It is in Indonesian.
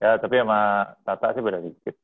ya tapi sama tata sih beda dikit